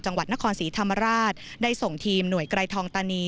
จังหวัดนครศรีธรรมราชได้ส่งทีมหน่วยไกรทองตานี